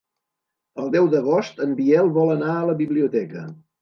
El deu d'agost en Biel vol anar a la biblioteca.